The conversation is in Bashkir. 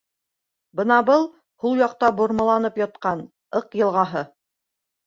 — Бына был, һул яҡта бормаланып ятҡан, Ыҡ йылғаһы.